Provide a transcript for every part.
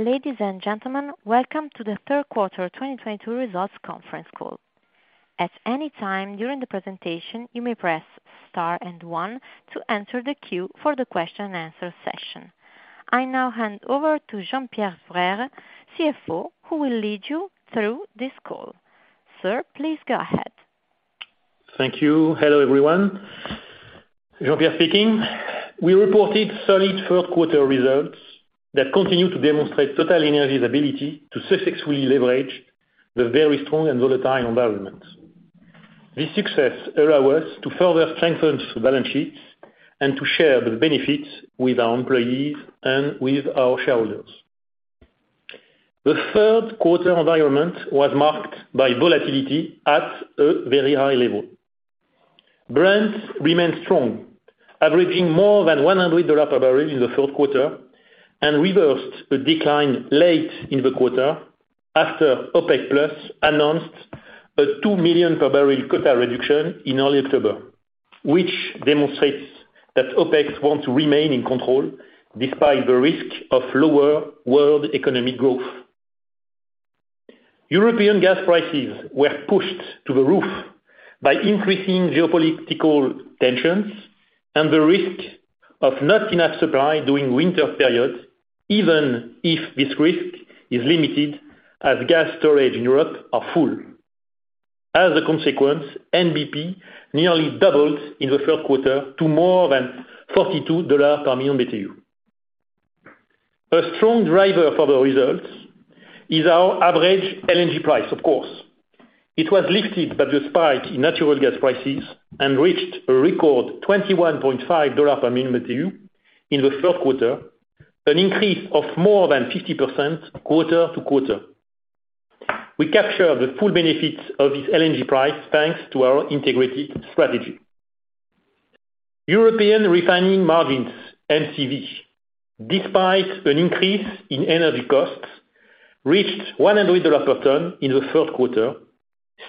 Ladies and gentlemen, welcome to the Third Quarter 2022 Results Conference Call. At any time during the presentation you may press star one to enter the queue for the question and answer session. I now hand over to Jean-Pierre Sbraire, CFO, who will lead you through this call. Sir, please go ahead. Thank you. Hello, everyone. Jean-Pierre Sbraire speaking. We reported solid third quarter results that continue to demonstrate TotalEnergies' ability to successfully leverage the very strong and volatile environment. This success allows us to further strengthen the balance sheet and to share the benefits with our employees and with our shareholders. The third quarter environment was marked by volatility at a very high level. Brent remained strong, averaging more than $100 per barrel in the third quarter and reversed a decline late in the quarter after OPEC+ announced a 2 million bpd quota reduction in early October, which demonstrates that OPEC wants to remain in control despite the risk of lower world economic growth. European gas prices were pushed to the roof by increasing geopolitical tensions and the risk of not enough supply during winter periods, even if this risk is limited as gas storage in Europe are full. As a consequence, NBP nearly doubled in the third quarter to more than $42 per million BTU. A strong driver for the results is our average LNG price, of course. It was lifted by the spike in natural gas prices and reached a record $21.5 per million BTU in the third quarter, an increase of more than 50% quarter-over-quarter. We capture the full benefits of this LNG price thanks to our integrated strategy. European refining margins, EMCV, despite an increase in energy costs, reached $100 per ton in the third quarter,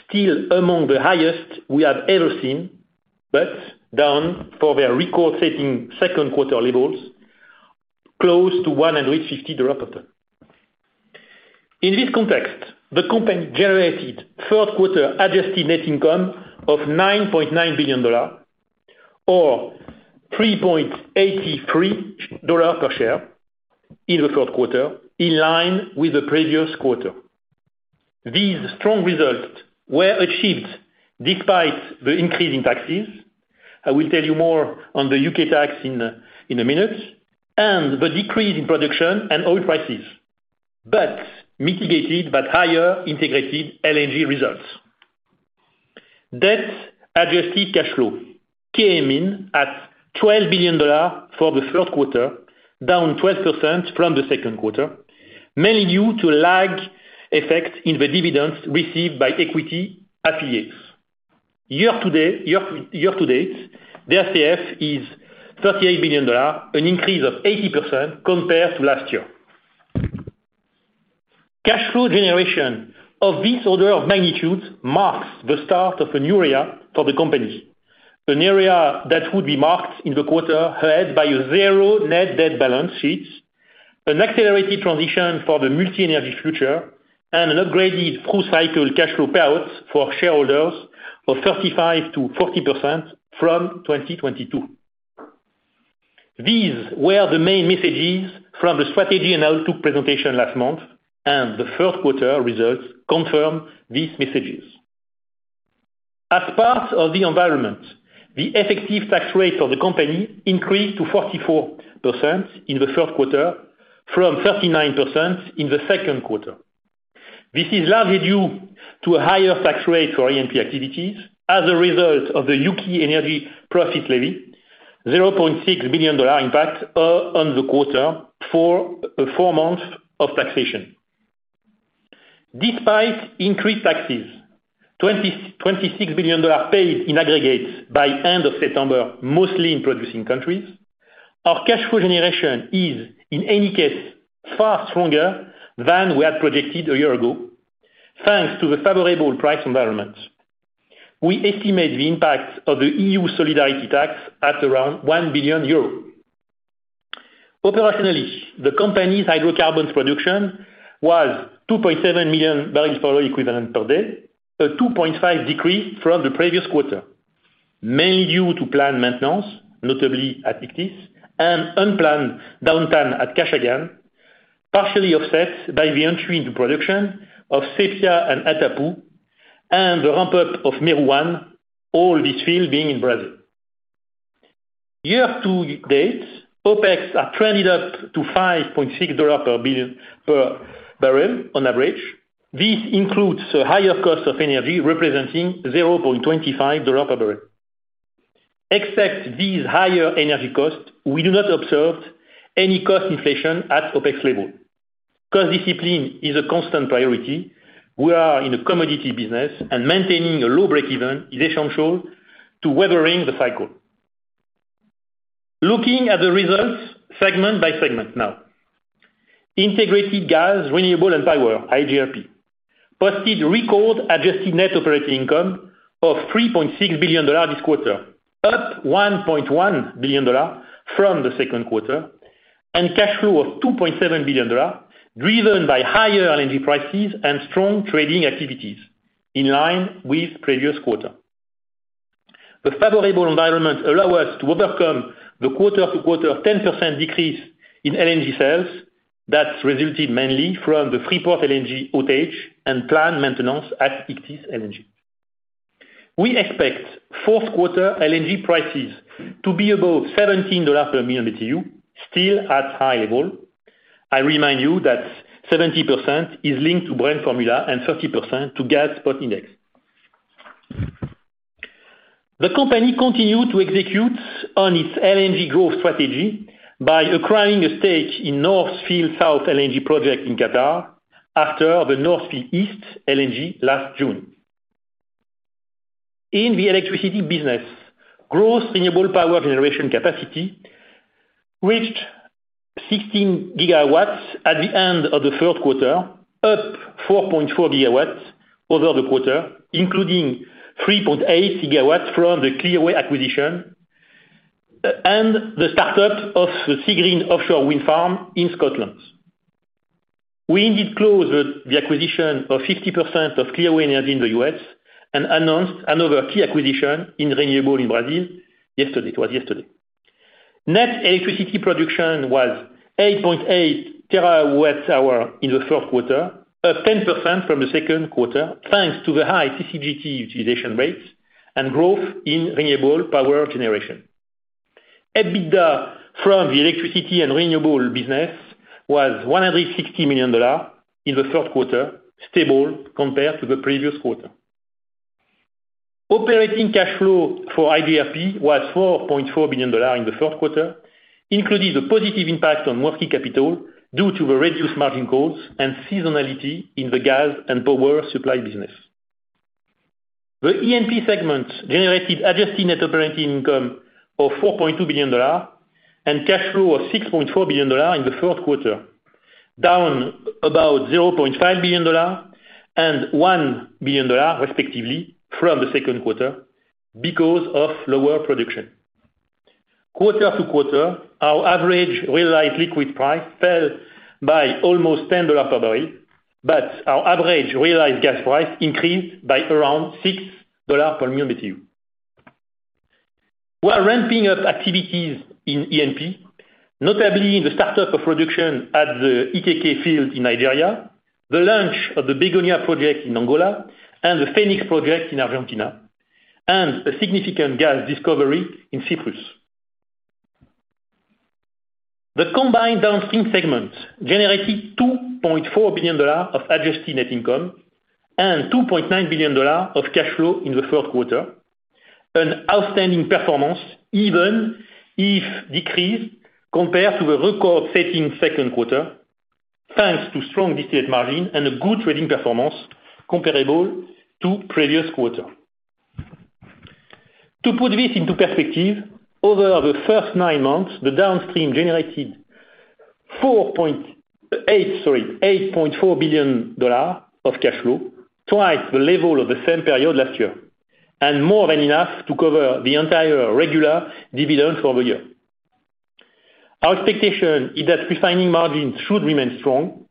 still among the highest we have ever seen, but down from their record-setting second quarter levels, close to $150 per ton. In this context, the company generated third quarter adjusted net income of $9.9 billion or $3.83 per share in the third quarter, in line with the previous quarter. These strong results were achieved despite the increase in taxes. I will tell you more on the U.K. tax in a minute. The decrease in production and oil prices, but mitigated by higher integrated LNG results. Debt adjusted cash flow came in at $12 billion for the third quarter, down 12% from the second quarter, mainly due to lag effect in the dividends received by equity affiliates. Year to date, the FCF is $38 billion, an increase of 80% compared to last year. Cash flow generation of this order of magnitude marks the start of a new era for the company. An era that would be marked in the quarter ahead by a zero net debt balance sheet, an accelerated transition for the multi-energy future, and an upgraded full cycle cash flow payouts for shareholders of 35%-40% from 2022. These were the main messages from the strategy and outlook presentation last month, and the first quarter results confirm these messages. As part of the environment, the effective tax rate for the company increased to 44% in the first quarter from 39% in the second quarter. This is largely due to a higher tax rate for E&P activities as a result of the Energy Profits Levy, $0.6 billion impact on the quarter for four months of taxation. Despite increased taxes, $26 billion paid in aggregate by end of September, mostly in producing countries, our cash flow generation is in any case far stronger than we had projected a year ago, thanks to the favorable price environment. We estimate the impact of the EU solidarity tax at around 1 billion euros. Operationally, the company's hydrocarbons production was 2.7 million bbl of oil equivalent per day, a 2.5% decrease from the previous quarter, mainly due to plant maintenance, notably at Actis and unplanned downtime at Kashagan, partially offset by the entry into production of Sépia and Atapu, and the ramp-up of Mero-1, all these fields being in Brazil. Year to date, OpEx are traded up to $5.6 per barrel on average. This includes a higher cost of energy, representing $0.25 per barrel. Except these higher energy costs, we do not observe any cost inflation at OpEx level. Cost discipline is a constant priority. We are in a commodity business and maintaining a low break-even is essential to weathering the cycle. Looking at the results segment by segment now. Integrated Gas, Renewables & Power, iGRP. Posted record adjusted net operating income of $3.6 billion this quarter, up $1.1 billion from the second quarter, and cash flow of $2.7 billion, driven by higher LNG prices and strong trading activities in line with previous quarter. The favorable environment allow us to overcome the quarter-to-quarter 10% decrease in LNG sales that's resulted mainly from the Freeport LNG outage and plant maintenance at Ichthys LNG. We expect fourth quarter LNG prices to be above $17 per million BTU, still at high level. I remind you that 70% is linked to Brent formula and 30% to gas spot index. The company continued to execute on its LNG growth strategy by acquiring a stake in North Field South LNG project in Qatar after the North Field East LNG last June. In the electricity business, growth in renewable power generation capacity reached 16 GW at the end of the third quarter, up 4.4 GW over the quarter, including 3.8 GW from the Clearway acquisition and the startup of the Seagreen offshore wind farm in Scotland. We indeed closed the acquisition of 50% of Clearway Energy Group in the U.S. and announced another key acquisition in renewables in Brazil yesterday. It was yesterday. Net electricity production was 8.8 terawatt-hours in the third quarter, up 10% from the second quarter, thanks to the high CCGT utilization rates and growth in renewable power generation. EBITDA from the electricity and renewable business was $160 million in the third quarter, stable compared to the previous quarter. Operating cash flow for iGRP was $4.4 billion in the third quarter, including the positive impact on working capital due to the reduced margin costs and seasonality in the gas and power supply business. The E&P segment generated adjusted net operating income of $4.2 billion and cash flow of $6.4 billion in the third quarter, down about $0.5 billion and $1 billion respectively from the second quarter because of lower production. Quarter to quarter, our average realized liquid price fell by almost $10 per barrel, but our average realized gas price increased by around $6 per million BTU. We are ramping up activities in E&P, notably the start-up of production at the Ikike field in Nigeria, the launch of the Begonia project in Angola, and the Fenix project in Argentina, and a significant gas discovery in Cyprus. The combined downstream segment generated $2.4 billion of adjusted net income and $2.9 billion of cash flow in the third quarter, an outstanding performance even if decreased compared to the record-setting second quarter, thanks to strong distillate margin and a good trading performance comparable to previous quarter. To put this into perspective, over the first nine months, the downstream generated $8.4 billion of cash flow, twice the level of the same period last year, and more than enough to cover the entire regular dividend for the year. Our expectation is that refining margins should remain strong,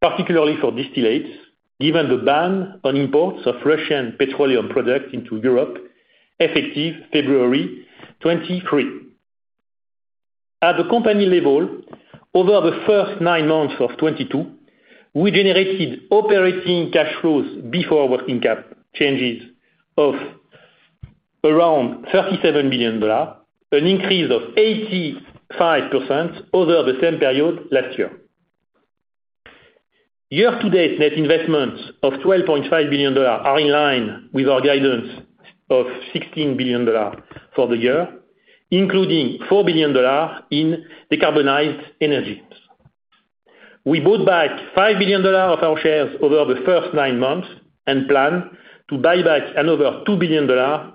particularly for distillates, given the ban on imports of Russian petroleum products into Europe effective February 2023. At the company level, over the first nine months of 2022, we generated operating cash flows before working cap changes of around $37 billion, an increase of 85% over the same period last year. Year to date net investments of $12.5 billion are in line with our guidance of $16 billion for the year, including $4 billion in decarbonized energies. We bought back $5 billion of our shares over the first nine months and plan to buy back another $2 billion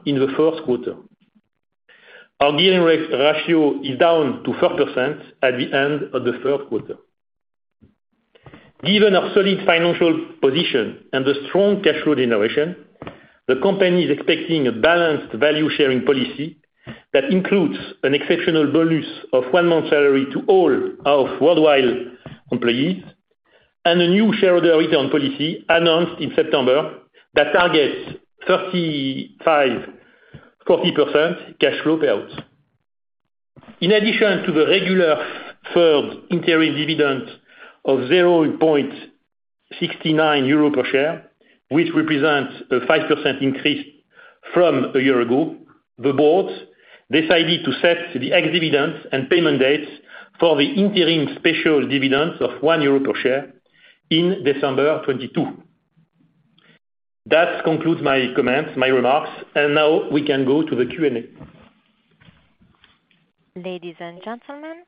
in the first quarter. Our gearing ratio is down to 4% at the end of the third quarter. Given our solid financial position and the strong cash flow generation, the company is expecting a balanced value-sharing policy that includes an exceptional bonus of one month salary to all our worldwide employees and a new shareholder return policy announced in September that targets 35%-40% cash flow payouts. In addition to the regular third interim dividend of 0.69 euro per share, which represents a 5% increase from a year ago, the board decided to set the ex-dividend and payment dates for the interim special dividend of 1 euro per share in December 2022. That concludes my comments, my remarks, and now we can go to the Q&A. Ladies and gentlemen,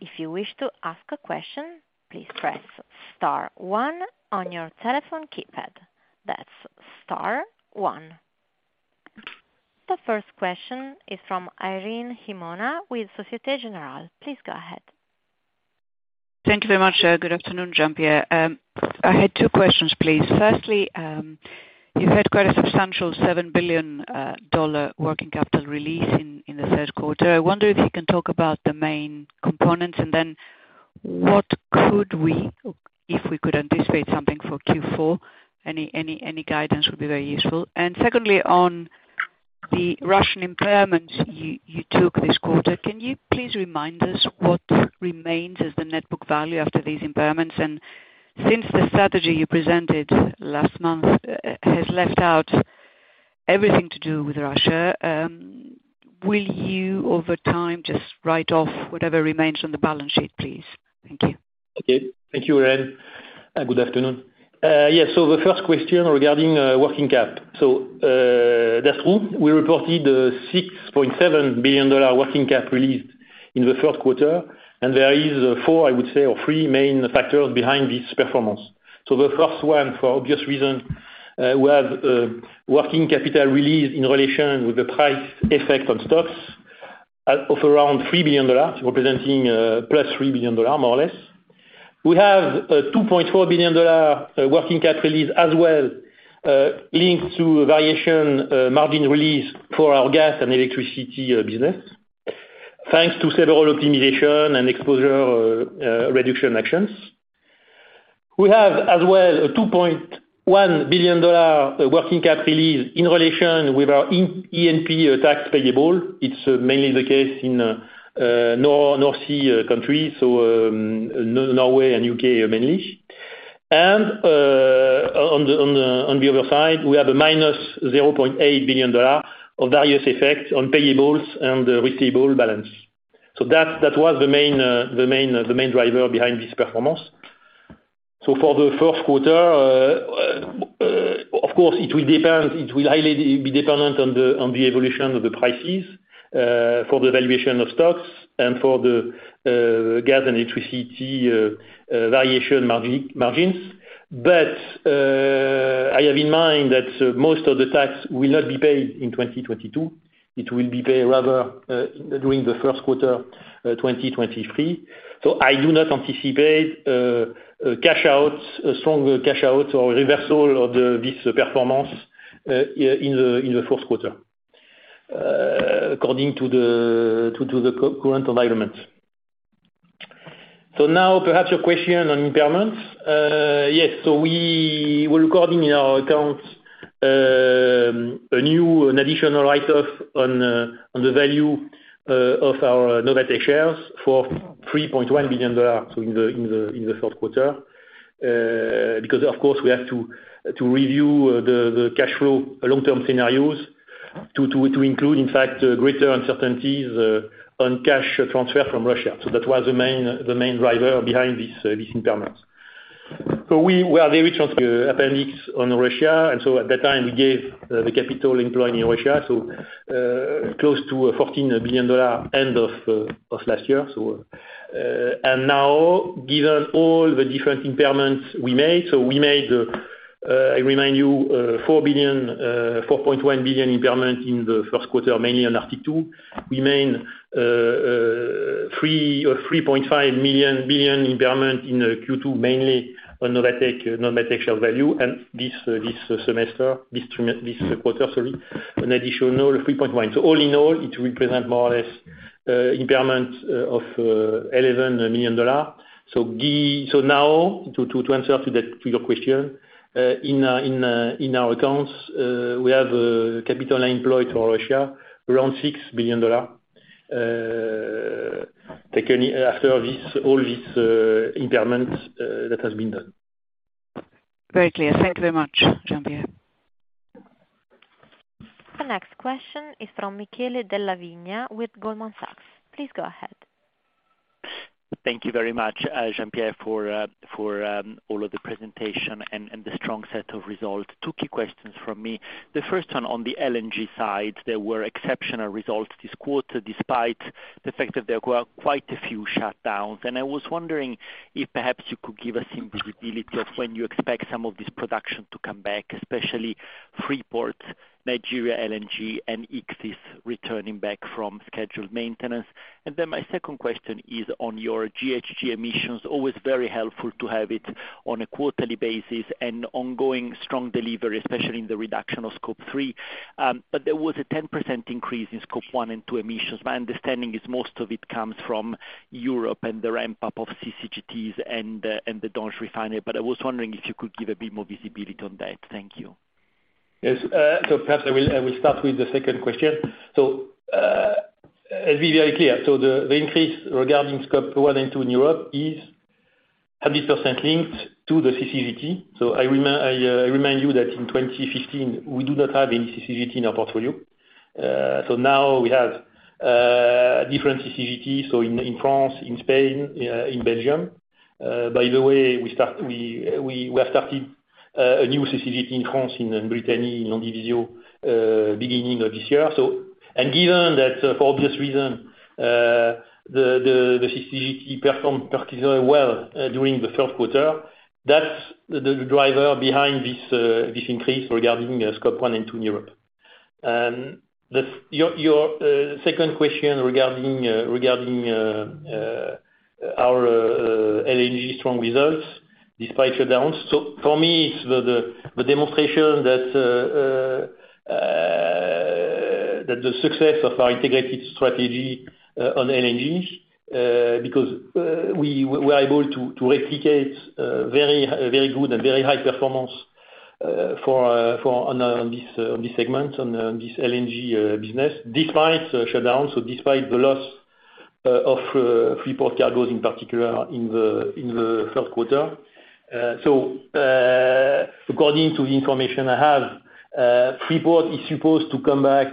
if you wish to ask a question, please press star one on your telephone keypad. That's star one. The first question is from Irene Himona with Société Générale. Please go ahead. Thank you very much. Good afternoon, Jean-Pierre. I had two questions, please. Firstly, you've had quite a substantial $7 billion working capital release in the third quarter. I wonder if you can talk about the main components and then what could we, if we could anticipate something for Q4, any guidance would be very useful. Secondly, on the Russian impairments you took this quarter, can you please remind us what remains as the net book value after these impairments? Since the strategy you presented last month has left out everything to do with Russia, will you over time just write off whatever remains on the balance sheet, please? Thank you. Okay. Thank you, Irene. Good afternoon. Yes. The first question regarding working cap. That's true. We reported $6.7 billion working cap released in the third quarter, and there is four, I would say, or three main factors behind this performance. The first one, for obvious reasons, we have working capital released in relation with the price effect on stocks of around $3 billion representing +$3 billion, more or less. We have a $2.4 billion working capital released as well linked to variation margin release for our gas and electricity business. Thanks to several optimization and exposure reduction actions. We have as well a $2.1 billion working capital release in relation with our E&P tax payable. It's mainly the case in North Sea countries, so Norway and U.K. mainly. On the other side, we have a -$0.8 billion of various effects on payables and receivables balance. That was the main driver behind this performance. For the fourth quarter, of course it will depend, it will highly be dependent on the evolution of the prices for the valuation of stocks and for the gas and electricity variation margins. I have in mind that most of the tax will not be paid in 2022. It will be paid rather during the first quarter 2023. I do not anticipate a cash out, a stronger cash out or reversal of this performance in the fourth quarter according to the current environment. Now perhaps your question on impairments. Yes. We were recording in our accounts a new and additional write off on the value of our Novatek shares for $3.1 billion in the fourth quarter. Because of course, we have to review the cash flow long-term scenarios to include in fact greater uncertainties on cash transfer from Russia. That was the main driver behind this impairment. The appendix on Russia, at that time we gave the capital employed in Russia, close to a $14 billion end of last year. Now given all the different impairments we made, we made, I remind you, $4.1 billion impairment in the first quarter, mainly on Arctic LNG 2. We made three or 3.5 billion impairment in Q2, mainly on Novatek share value, and this quarter an additional 3.1. All in all, it represent more or less impairment of $11 million. Now to answer to that, to your question, in our accounts, we have capital employed for Russia around $6 billion, taken after all this impairment that has been done. Very clear. Thank you very much, Jean-Pierre. The next question is from Michele Della Vigna with Goldman Sachs. Please go ahead. Thank you very much, Jean-Pierre, for all of the presentation and the strong set of results. Two key questions from me. The first one on the LNG side. There were exceptional results this quarter, despite the fact that there were quite a few shutdowns. I was wondering if perhaps you could give us some visibility of when you expect some of this production to come back, especially Freeport LNG, Nigeria LNG, and Ichthys LNG returning back from scheduled maintenance. My second question is on your GHG emissions. Always very helpful to have it on a quarterly basis and ongoing strong delivery, especially in the reduction of Scope three. There was a 10% increase in Scope 1 and 2 emissions. My understanding is most of it comes from Europe and the ramp up of CCGTs and the Donges refinery. I was wondering if you could give a bit more visibility on that. Thank you. Yes. So perhaps I will start with the second question. So, it'll be very clear. The increase regarding Scope 1 and 2 in Europe is 100% linked to the CCGT. I remind you that in 2015 we do not have any CCGT in our portfolio. Now we have different CCGT, so in France, in Spain, in Belgium. By the way, we have started a new CCGT in France, in Brittany, in Landivisiau, beginning of this year. Given that, for obvious reason, the CCGT performed particularly well during the third quarter, that's the driver behind this increase regarding Scope 1 and 2 in Europe. Your second question regarding our LNG strong results despite shutdowns. For me, it's the demonstration that the success of our integrated strategy on LNG because we were able to replicate very good and very high performance for this LNG business despite shutdowns, despite the loss of Freeport cargoes in particular in the third quarter. According to the information I have, Freeport is supposed to come back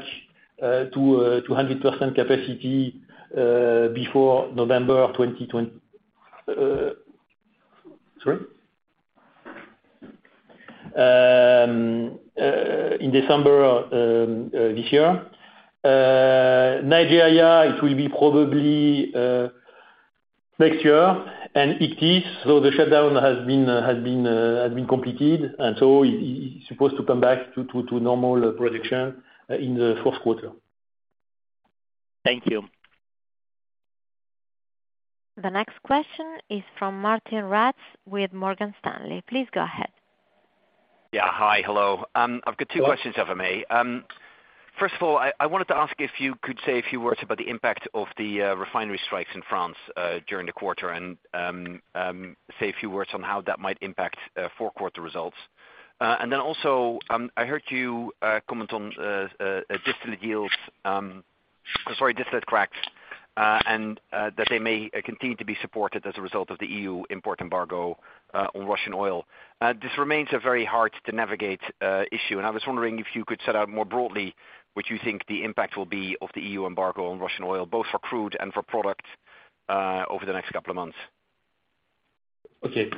to 100% capacity in December this year. Nigeria, it will probably be next year. Ichthys, so the shutdown has been completed, and so it's supposed to come back to normal production in the fourth quarter. Thank you. The next question is from Martijn Rats with Morgan Stanley. Please go ahead. Hi. Hello. I've got two questions, if I may. First of all, I wanted to ask if you could say a few words about the impact of the refinery strikes in France during the quarter, and say a few words on how that might impact fourth quarter results. I heard you comment on distillate yields, or sorry, distillate cracks, and that they may continue to be supported as a result of the EU import embargo on Russian oil. This remains a very hard to navigate issue, and I was wondering if you could set out more broadly what you think the impact will be of the EU embargo on Russian oil, both for crude and for product over the next couple of months. Okay.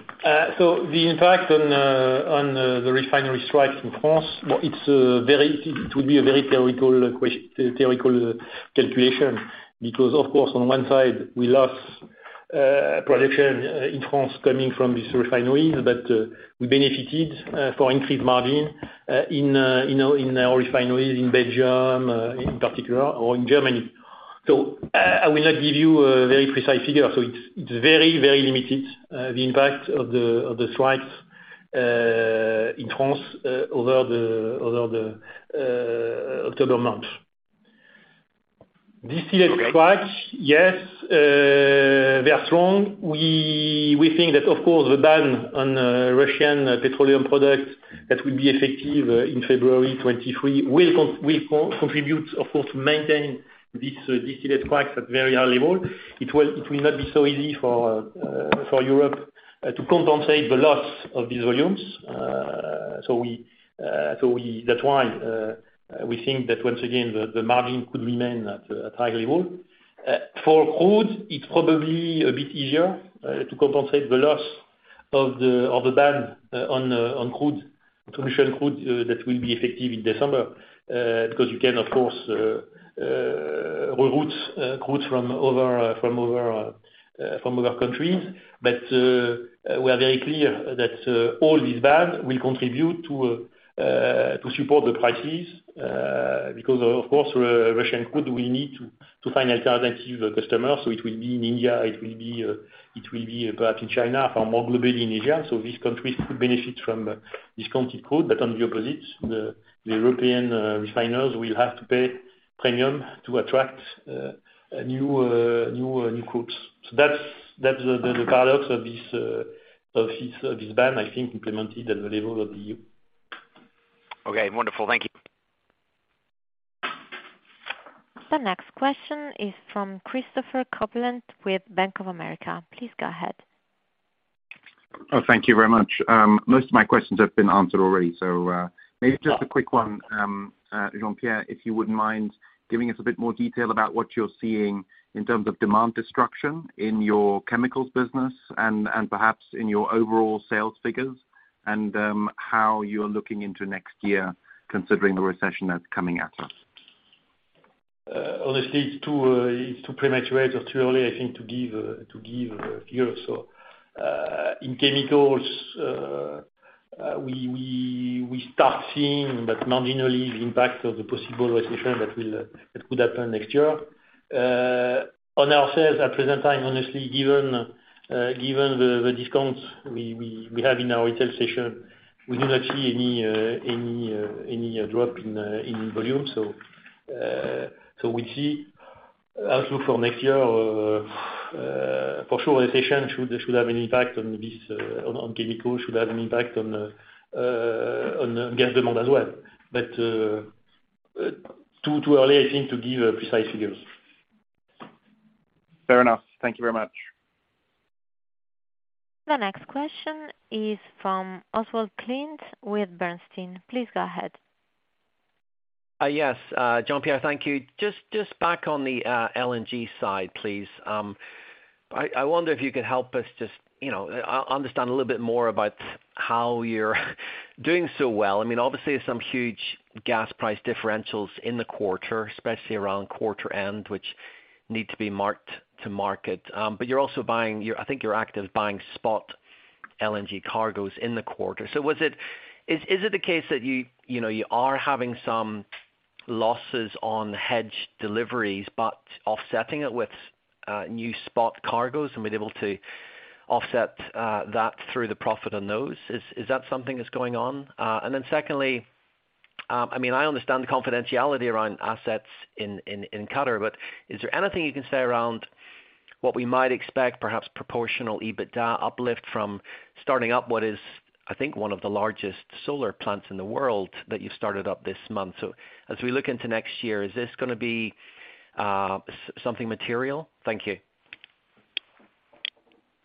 The impact on the refinery strikes in France, well, it's very, it would be a very theoretical calculation, because of course on one side we lost production in France coming from these refineries. We benefited for increased margin in our refineries in Belgium, in particular or in Germany. I will not give you a very precise figure. It's very limited, the impact of the strikes in France over the October month. Okay. Distillate cracks, yes. They are strong. We think that of course the ban on Russian petroleum products that will be effective in February 2023 will contribute of course to maintain this distillate cracks at very high level. It will not be so easy for Europe to compensate the loss of these volumes. That's why we think that once again the margin could remain at high level. For crude it's probably a bit easier to compensate the loss of the ban on Russian crude that will be effective in December because you can of course reroute crude from other countries. We are very clear that all these bans will contribute to support the prices, because of course, Russian crude will need to find alternative customers, so it will be India, it will be perhaps in China or more globally in Asia. These countries could benefit from discounted crude. On the opposite, the European refiners will have to pay premium to attract new crudes. That's the paradox of this ban I think implemented at the level of the EU. Okay. Wonderful. Thank you. The next question is from Christopher Kuplent with Bank of America. Please go ahead. Oh, thank you very much. Most of my questions have been answered already, so maybe just a quick one, Jean-Pierre, if you wouldn't mind giving us a bit more detail about what you're seeing in terms of demand destruction in your chemicals business and perhaps in your overall sales figures and how you're looking into next year considering the recession that's coming at us. Honestly, it's too premature or too early, I think, to give a view. In chemicals, we start seeing but marginally the impact of the possible recession that could happen next year. On our sales at present time, honestly, given the discounts we have in our retail station, we do not see any drop in volume. We see outlook for next year. For sure, recession should have an impact on chemicals, should have an impact on gas demand as well. Too early, I think, to give precise figures. Fair enough. Thank you very much. The next question is from Oswald Clint with Bernstein. Please go ahead. Yes, Jean-Pierre, thank you. Just back on the LNG side, please. I wonder if you could help us just, you know, understand a little bit more about how you're doing so well. I mean, obviously, some huge gas price differentials in the quarter, especially around quarter end, which need to be marked to market. But you're also buying. I think you're actively buying spot LNG cargoes in the quarter. So was it? Is it the case that you know, are having some losses on hedge deliveries, but offsetting it with new spot cargoes, and were able to offset that through the profit on those? Is that something that's going on? Secondly, I mean, I understand the confidentiality around assets in Qatar, but is there anything you can say around what we might expect, perhaps proportional EBITDA uplift from starting up what is, I think, one of the largest solar plants in the world that you started up this month? As we look into next year, is this gonna be something material? Thank you.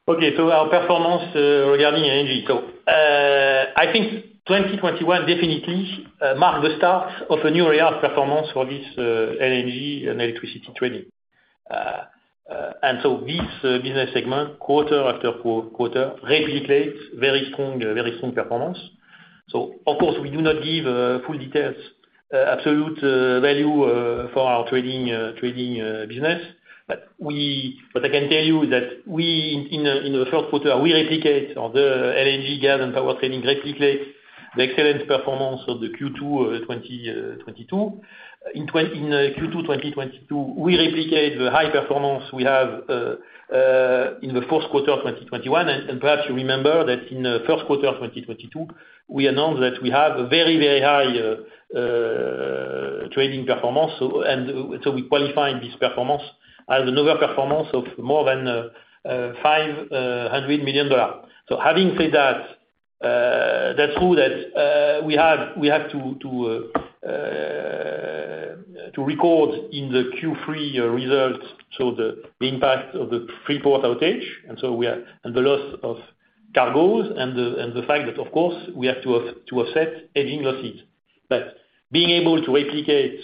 Our performance regarding LNG. I think 2021 definitely marked the start of a new era of performance for this LNG and electricity trading. This business segment, quarter after quarter, replicates very strong performance. Of course, we do not give full details, absolute value for our trading business. I can tell you that we, in the first quarter, replicate on the LNG gas and power trading the excellent performance of Q2 2022. In Q2 2022, we replicate the high performance we have in the first quarter of 2021. perhaps you remember that in the first quarter of 2022, we announced that we have a very high trading performance. We qualified this performance as outstanding performance of more than $500 million. Having said that's true that we have to record in the Q3 results the impact of the Freeport outage and the loss of cargos and the fact that, of course, we have to offset hedging losses. Being able to replicate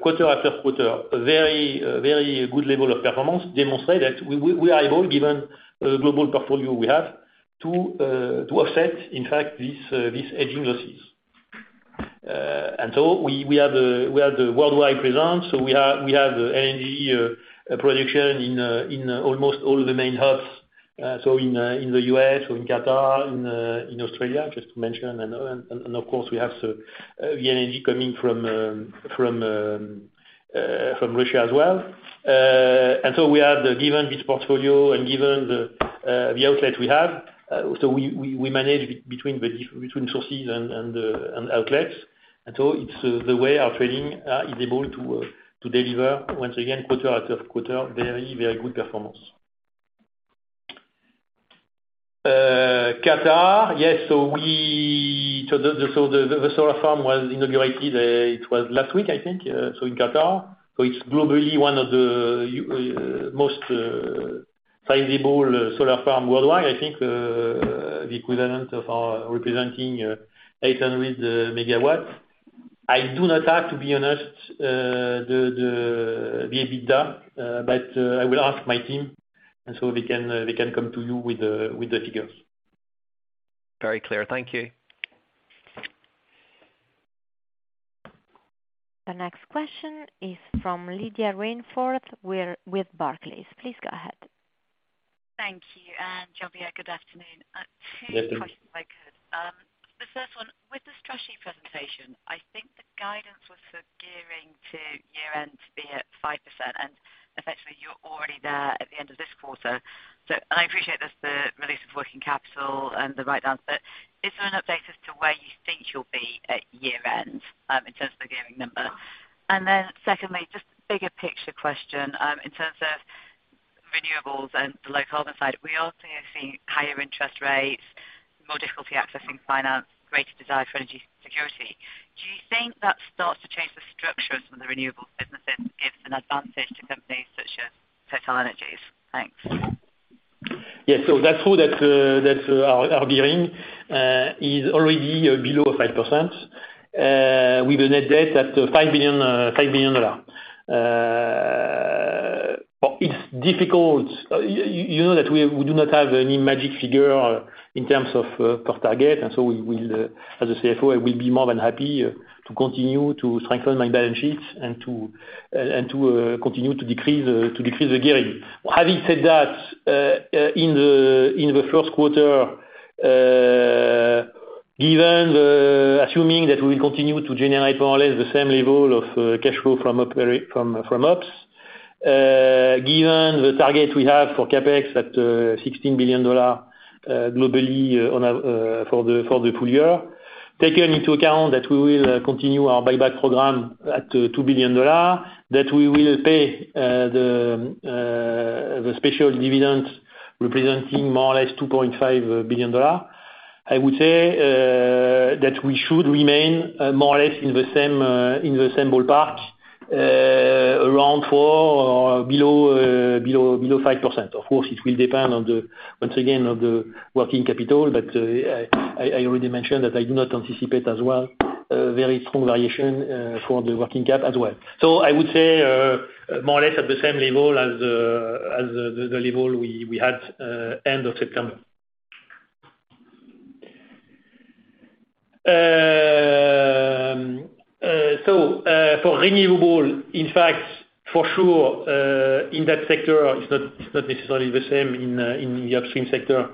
quarter after quarter a very good level of performance demonstrate that we are able, given the global portfolio we have, to offset in fact this hedging losses. We have a worldwide presence, so we have LNG production in almost all of the main hubs. In the US, or in Qatar, in Australia, just to mention. Of course, we have the LNG coming from Russia as well. We have, given this portfolio and given the outlet we have, so we manage between sources and outlets. It's the way our trading is able to deliver, once again, quarter after quarter, very good performance. Qatar, yes. The solar farm was inaugurated, it was last week, I think. In Qatar. It's globally one of the most sizable solar farm worldwide. I think the equivalent of representing 800 MW. I do not have, to be honest, the EBITDA, but I will ask my team, and so they can come to you with the figures. Very clear. Thank you. The next question is from Lydia Rainforth with Barclays. Please go ahead. Thank you. Jean-Pierre, good afternoon. Good afternoon. Two questions if I could. The first one, with the strategy presentation, I think the guidance was for gearing to year-end to be at 5%, and effectively you're already there at the end of this quarter. I appreciate that's the release of working capital and the right answer, but is there an update as to where you think you'll be at year-end, in terms of the gearing number? Then secondly, just bigger picture question, in terms of renewables and the low carbon side, we are clearly seeing higher interest rates, more difficulty accessing finance, greater desire for energy security. Do you think that starts to change the structure of some of the renewables businesses, gives an advantage to companies such as TotalEnergies? Thanks. Yes. That's true that our gearing is already below 5%. With a net debt at $5 billion. But it's difficult, you know that we do not have any magic figure in terms of our target, and we will, as a CFO, I will be more than happy to continue to strengthen my balance sheets and to continue to decrease the gearing. Having said that, in the first quarter, given the assuming that we will continue to generate more or less the same level of cash flow from ops, given the target we have for CapEx at $16 billion globally for the full year, taking into account that we will continue our buyback program at $2 billion. That we will pay the special dividends representing more or less $2.5 billion. I would say that we should remain more or less in the same ballpark, around 4% or below 5%. Of course, it will depend on the, once again, on the working capital, but I already mentioned that I do not anticipate as well very strong variation for the working cap as well. I would say more or less at the same level as the level we had end of September. For renewable, in fact, for sure, in that sector it's not necessarily the same in the upstream sector.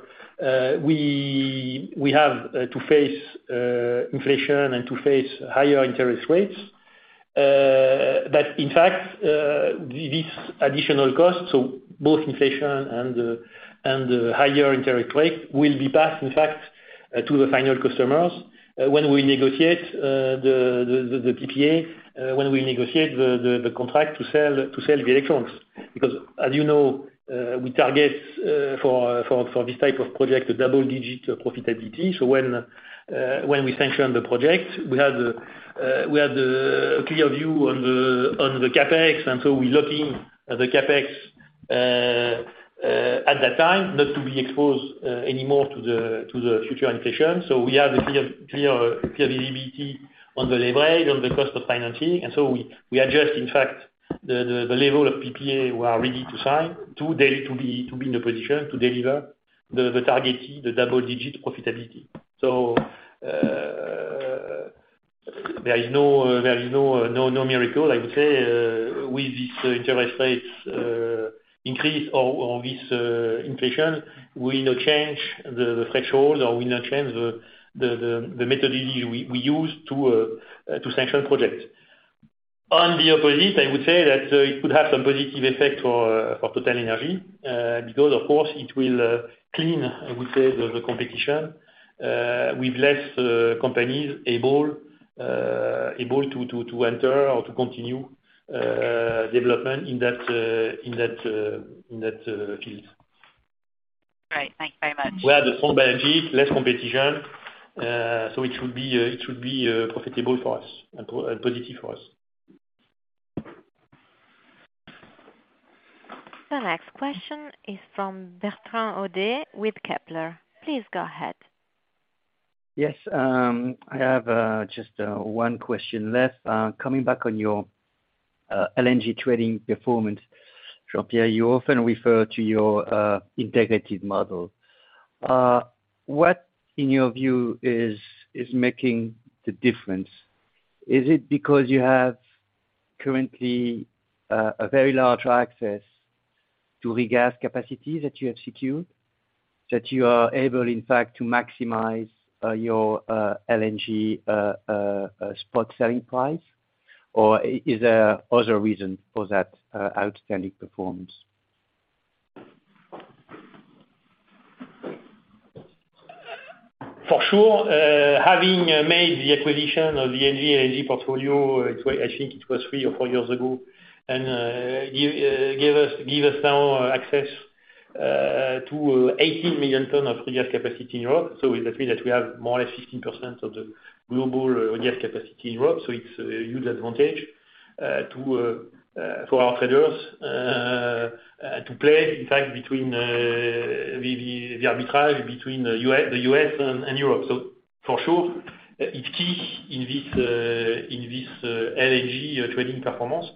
We have to face inflation and to face higher interest rates. In fact, this additional cost, so both inflation and higher interest rate will be passed in fact to the final customers when we negotiate the contract to sell the electrons. Because as you know, we target for this type of project a double-digit profitability. When we sanction the project, we have the clear view on the CapEx, and so we lock in the CapEx at that time, not to be exposed anymore to the future inflation. We have a clear visibility on the leverage, on the cost of financing, and we adjust in fact the level of PPA we are ready to sign, to dare to be in a position to deliver the targeted double-digit profitability. There is no miracle I would say with this interest rates increase or this inflation will not change the threshold or will not change the methodology we use to sanction projects. On the opposite, I would say that it could have some positive effect for TotalEnergies, because of course it will clean, I would say, the competition with less companies able to enter or to continue development in that field. Great. Thank you very much. We have the strong biology, less competition, so it will be profitable for us and positive for us. The next question is from Bertrand Hodee with Kepler Cheuvreux. Please go ahead. Yes. I have just one question left. Coming back on your LNG trading performance, Jean-Pierre, you often refer to your integrated model. What in your view is making the difference? Is it because you have currently a very large access to regas capacity that you have secured, that you are able in fact to maximize your LNG spot selling price? Or is there other reason for that outstanding performance? For sure, having made the acquisition of the Engie LNG portfolio, I think it was three or four years ago. It gives us now access to 18 million tons of regas capacity in Europe. It means that we have more or less 16% of the global regas capacity in Europe, so it's a huge advantage for our traders to play, in fact, the arbitrage between the U.S. and Europe. For sure, it's key in this LNG trading performance.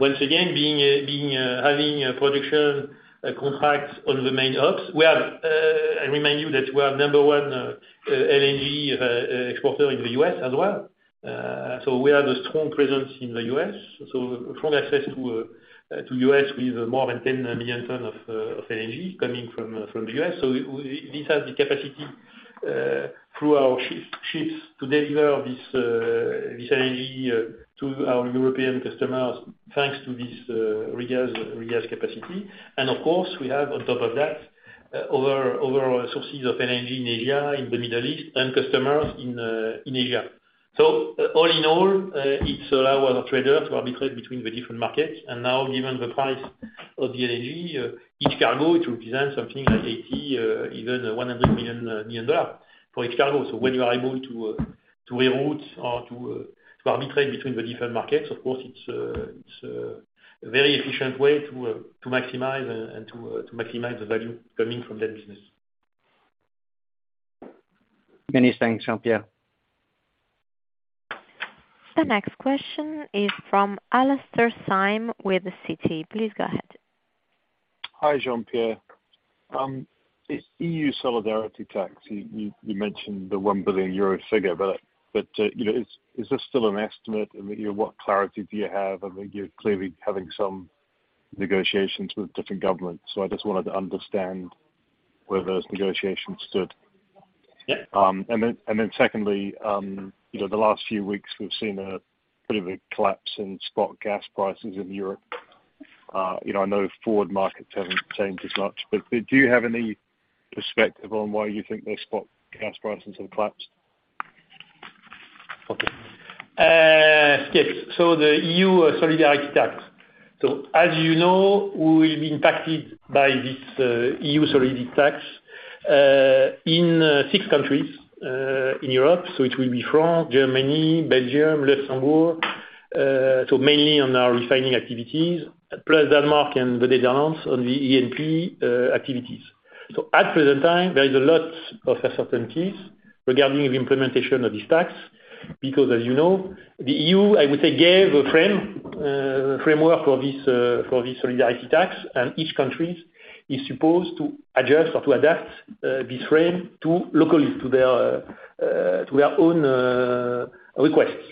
Once again, having a production contract on the main hubs, I remind you that we are number one LNG exporter in the U.S. as well. We have a strong presence in the U.S., strong access to U.S. with more than 10 million tons of LNG coming from the U.S. This has the capacity through our ships to deliver this LNG to our European customers thanks to this regas capacity. Of course, we have on top of that other sources of LNG in Asia, in the Middle East, and customers in Asia. All in all, it allow our traders to arbitrage between the different markets. Now, given the price of the LNG, each cargo, it represents something like $80 million, even $100 million for each cargo. When you are able to reroute or to arbitrage between the different markets, of course it's a very efficient way to maximize and to maximize the value coming from that business. Many thanks, Jean-Pierre. The next question is from Alastair Syme with Citi. Please go ahead. Hi, Jean-Pierre. This EU solidarity tax, you mentioned the 1 billion euro figure, but, you know, is this still an estimate? What clarity do you have? I mean, you're clearly having some negotiations with different governments, so I just wanted to understand where those negotiations stood. Yeah. Secondly, you know, the last few weeks we've seen a bit of a collapse in spot gas prices in Europe. You know, I know forward markets haven't changed as much, but do you have any perspective on why you think the spot gas prices have collapsed? Okay. The EU solidarity contribution. As you know, we will be impacted by this EU solidarity contribution in six countries in Europe. It will be France, Germany, Belgium, Luxembourg, so mainly on our refining activities. Plus Denmark and the Netherlands on the E&P activities. At present time, there is a lot of uncertainties regarding the implementation of this tax, because as you know, the EU, I would say, gave a framework for this solidarity contribution, and each countries is supposed to adjust or to adapt this frame locally to their own requests.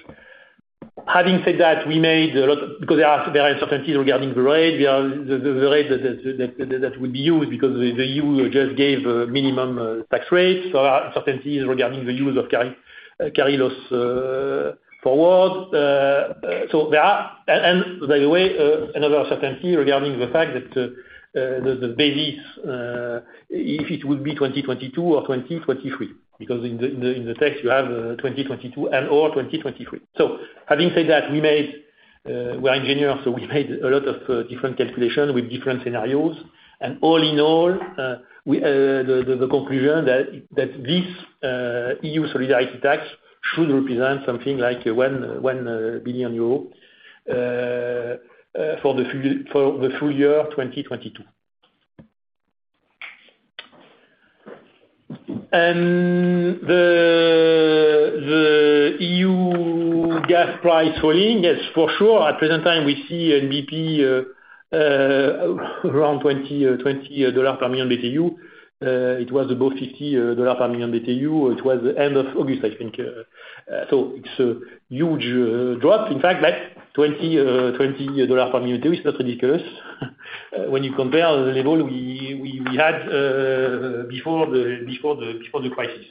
Having said that, we made a lot. Because there are uncertainties regarding the rate. The rate that would be used because the EU just gave minimum tax rates. Uncertainties regarding the use of carry loss forward. By the way, another uncertainty regarding the fact that the basis if it would be 2022 or 2023, because in the text you have 2022 or 2023. Having said that, we're engineers, so we made a lot of different calculations with different scenarios. All in all, we the conclusion that this EU solidarity tax should represent something like 1 billion euro for the full year 2022. The EU gas price falling. Yes, for sure. At present time we see NBP around $20 per million BTU. It was above $50 per million BTU. It was end of August, I think. So it's a huge drop. In fact that $20 per million BTU is not ridiculous when you compare the level we had before the crisis.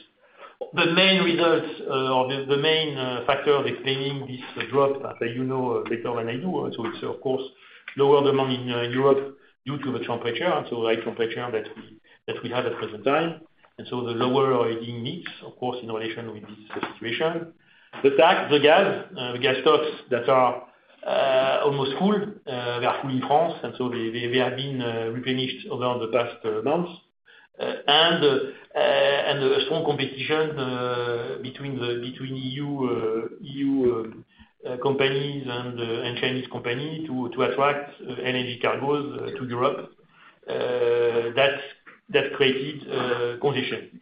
The main factor explaining this drop that you know better than I do, so it's of course lower demand in Europe due to the temperature, so high temperature that we have at present time. The lower heating needs of course in relation with this situation. the gas stocks that are almost full, they are full in France, and so they have been replenished over the past months. A strong competition between EU companies and Chinese companies to attract LNG cargos to Europe. That created condition.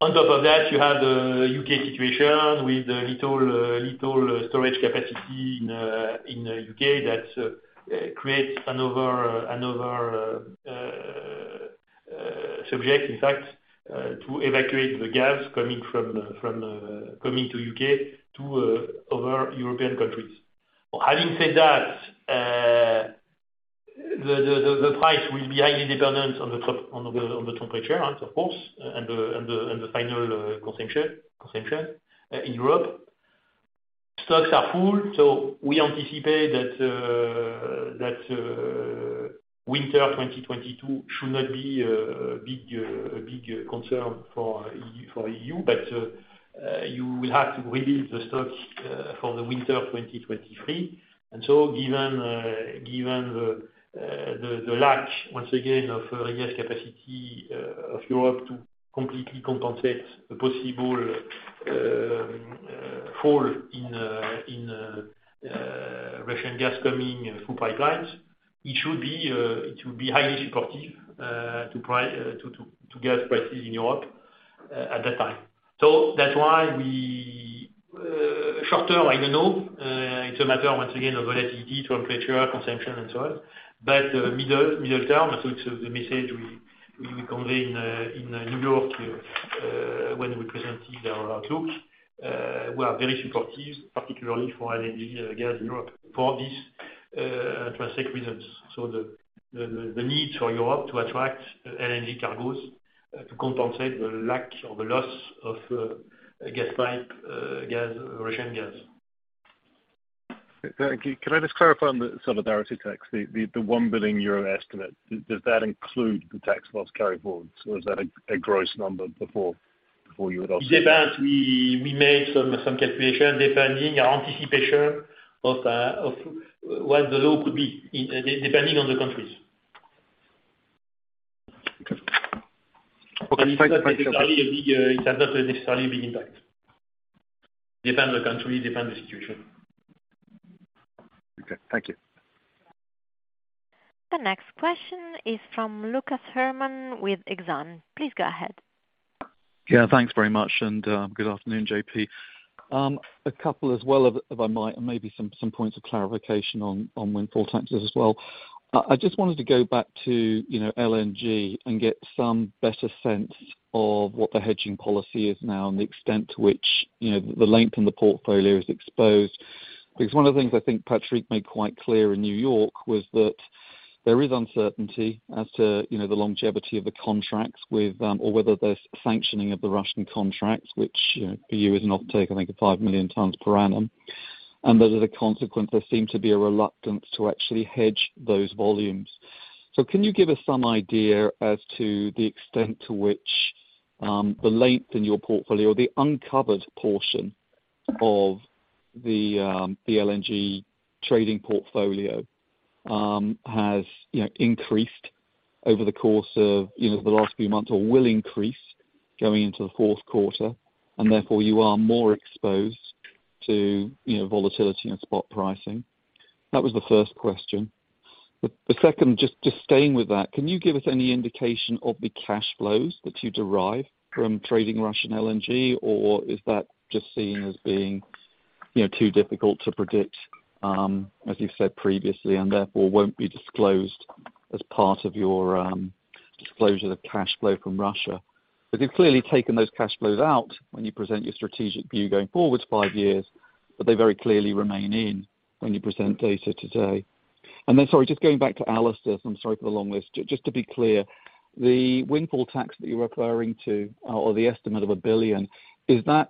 On top of that, you have the U.K. situation with little storage capacity in the U.K. That creates another subject in fact to evacuate the gas coming to the U.K. to other European countries. Having said that, the price will be highly dependent on the temperature of course, and the final consumption in Europe. Stocks are full, so we anticipate that winter 2022 should not be a big concern for EU. You will have to rebuild the stocks for the winter 2023. Given the lack, once again, of gas capacity of Europe to completely compensate the possible fall in Russian gas coming through pipelines, it should be highly supportive to gas prices in Europe at that time. That's why we short term, I don't know. It's a matter once again of volatility, temperature, consumption and so on. Middle term, it's the message we convey in New York when we presented our outlook. We are very supportive, particularly for LNG gas in Europe for these intrinsic reasons. The need for Europe to attract LNG cargos to compensate the lack or the loss of pipeline gas, Russian gas. Can I just clarify on the solidarity tax, the 1 billion euro estimate? Does that include the tax loss carry forward, or is that a gross number before you would ask? It depends. We made some calculations depending on our anticipation of what the law could be, depending on the countries. Okay. It's not necessarily a big impact. It depends on the country, it depends on the situation. Okay, thank you. The next question is from Lucas Herrmann with Exane. Please go ahead. Yeah, thanks very much. Good afternoon, J.P. A couple as well, and maybe some points of clarification on windfall taxes as well. I just wanted to go back to, you know, LNG and get some better sense of what the hedging policy is now and the extent to which, you know, the LNG in the portfolio is exposed. Because one of the things I think Patrick made quite clear in New York was that there is uncertainty as to, you know, the longevity of the contracts with or whether there's sanctioning of the Russian contracts, which, you know, for you is an offtake, I think 5 million tons per annum. As a consequence, there seem to be a reluctance to actually hedge those volumes. Can you give us some idea as to the extent to which the length in your portfolio, the uncovered portion of the LNG trading portfolio, has you know increased over the course of you know the last few months or will increase going into the fourth quarter, and therefore you are more exposed to you know volatility and spot pricing? That was the first question. The second, just staying with that, can you give us any indication of the cash flows that you derive from trading Russian LNG? Or is that just seen as being you know too difficult to predict as you've said previously, and therefore won't be disclosed as part of your disclosure of cash flow from Russia. You've clearly taken those cash flows out when you present your strategic view going forward five years, but they very clearly remain in when you present data today. Then, sorry, just going back to Alastair's, I'm sorry for the long list. Just to be clear, the windfall tax that you're referring to, or the estimate of EUR 1 billion, is that